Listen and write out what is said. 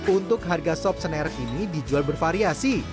untuk harga sob senerak ini dijual bervariasi